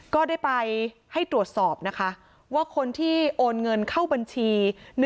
ก็ได้ไปให้ตรวจสอบนะคะว่าคนที่โอนเงินเข้าบัญชี